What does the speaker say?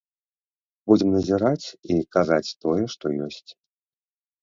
Будзем назіраць і казаць тое, што ёсць.